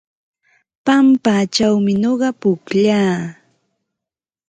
Pampachawmi nuqa pukllaa.